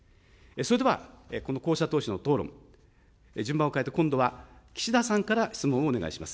それでは、この候補者どうしの討論、順番を変えて、今度は岸田さんから質問をお願いします。